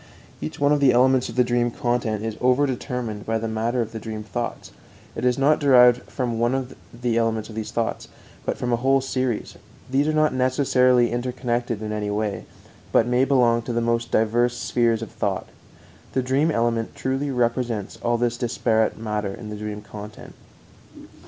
Each one of the elements of the dream content is overdetermined by the matter of the dream thoughts; it is not derived from one element of these thoughts, but from a whole series. These are not necessarily interconnected in any way, but may belong to the most diverse spheres of thought. The dream element truly represents all this disparate matter in the dream content.